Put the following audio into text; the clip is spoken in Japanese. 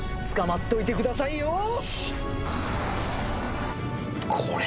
つかまっといてくださいよ！